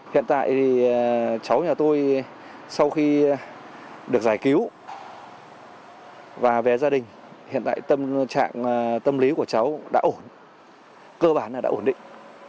hiện tại thì cháu nhà tôi sau khi được giải cứu và về gia đình hiện tại tâm trạng tâm lý của cháu đã ổn cơ bản đã ổn định